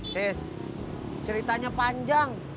cis ceritanya panjang